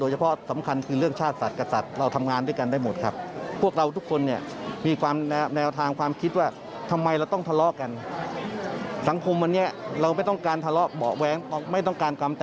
หลายคนอาจจะมีวิธีการแนวทางที่ต่าง